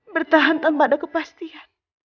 bertahan tanpa ada kepastian